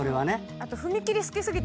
あと。